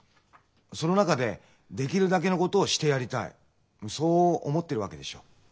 その中でできるだけのことをしてやりたいそう思ってるわけでしょ。